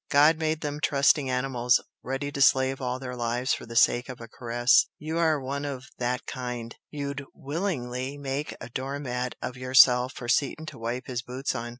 God made them trusting animals, ready to slave all their lives for the sake of a caress. YOU are one of that kind you'd willingly make a door mat of yourself for Seaton to wipe his boots on.